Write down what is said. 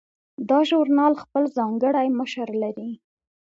دا ژورنال خپل ځانګړی مشر لري.